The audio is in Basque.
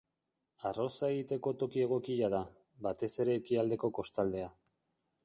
Arroza egiteko toki egokia da, batez ere ekialdeko kostaldea.